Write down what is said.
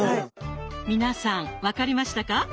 皆さん分かりましたか？